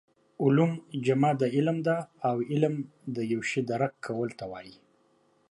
علوم جمع د علم ده او علم د یو شي درک کولو ته وايي